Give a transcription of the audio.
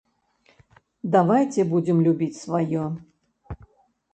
Давайце будзем любіць сваё.